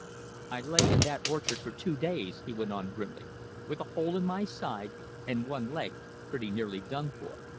"I lay in that orchard for two days," he went on grimly, "with a hole in my side and one leg pretty nearly done for.